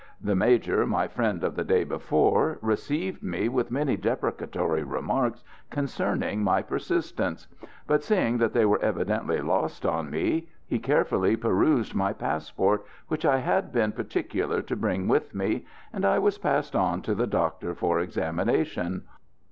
The major, my friend of the day before, received me with many deprecatory remarks concerning my persistence; but seeing that they were evidently lost on me, he carefully perused my passport, which I had been particular to bring with me, and I was passed on to the doctor for examination.